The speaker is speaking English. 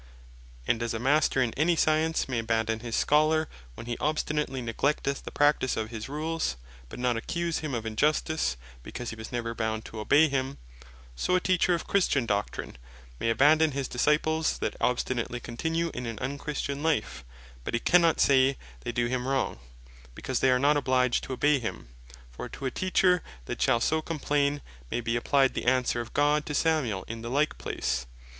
And as a Master in any Science, may abandon his Scholar, when hee obstinately neglecteth the practise of his rules; but not accuse him of Injustice, because he was never bound to obey him: so a Teacher of Christian doctrine may abandon his Disciples that obstinately continue in an unchristian life; but he cannot say, they doe him wrong, because they are not obliged to obey him: For to a Teacher that shall so complain, may be applyed the Answer of God to Samuel in the like place, (1 Sam.